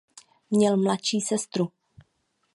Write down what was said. Měl mladší sestru.